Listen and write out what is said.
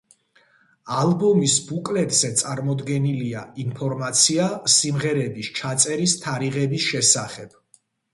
ალბომის ბუკლეტზე წარმოდგენილია ინფორმაცია სიმღერების ჩაწერის თარიღების შესახებ.